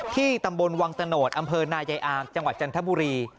ตำบลวังตะโนธอำเภอนายายอามจังหวัดจันทบุรี